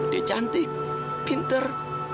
dia cantik pintar